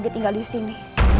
sepertinya aku gak bisa lagi